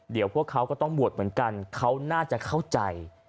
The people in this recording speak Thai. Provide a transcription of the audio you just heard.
เดี๋ยวพวกเขาก็ต้องบวชเหมือนกันเขาน่าจะเข้าใจ